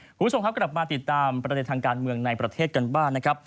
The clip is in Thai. คุณผู้ชมครับกลับมาติดตามประเด็นทางการเมืองในประเทศกันบ้างนะครับ